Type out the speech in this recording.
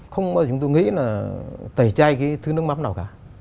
không bao chúng tôi nghĩ là tẩy chay cái thứ nước mắm nào cả